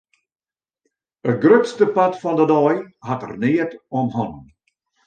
It grutste part fan de dei hat er neat om hannen.